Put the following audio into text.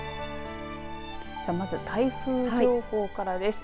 さあ、まず台風情報からです。